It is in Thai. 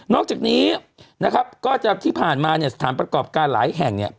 นอกจากนี้นะครับก็ที่ผ่านมาสถานประกอบการหลายแห่ง